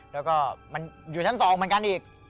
แล้วก็อยู่ชั้นสองเหมือนกันอีก